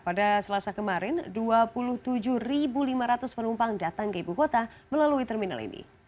pada selasa kemarin dua puluh tujuh lima ratus penumpang datang ke ibu kota melalui terminal ini